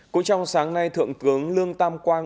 cũng trong sáng nay thượng tướng lương tam quang